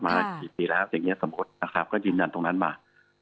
มากี่ปีแล้วอย่างนี้สมมตินะครับก็ยืนยันตรงนั้นมา